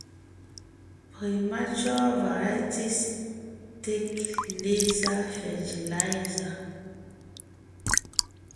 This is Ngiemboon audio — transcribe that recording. Premature varieties take lesser fertilizer.